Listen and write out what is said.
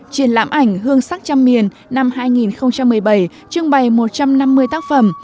triển lãm ảnh hương sắc trăm miền năm hai nghìn một mươi bảy trưng bày một trăm năm mươi tác phẩm